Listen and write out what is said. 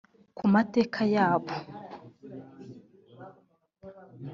ku mateka yabo